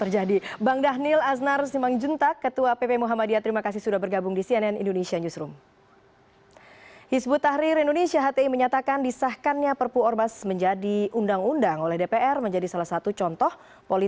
jangan sampai itu terjadi